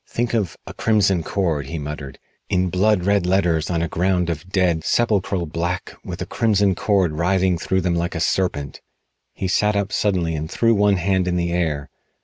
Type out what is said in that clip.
"Think of 'A Crimson Cord,'" he muttered, "in blood red letters on a ground of dead, sepulchral black, with a crimson cord writhing through them like a serpent." He sat up suddenly and threw one hand in the air.